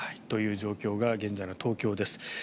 という状況が現在の東京です。